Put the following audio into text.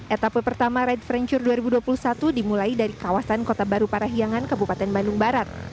etapa pertama ride franchire dua ribu dua puluh satu dimulai dari kawasan kota baru parahiangan kabupaten bandung barat